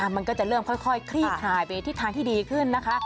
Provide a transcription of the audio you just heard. มันก็จะเริ่มค่อยคลี่คลายไปทิศทางที่ดีขึ้นนะคะ